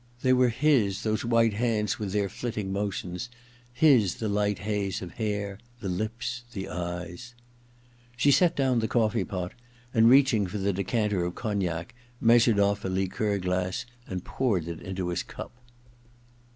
They were his, those white hands with their flitting motions, his the light haze of hair, the lips and eyes. ... She set down the coffee pot, and reaching for the decanter of cognac, measured off a liqueur glass and poured it into his cup.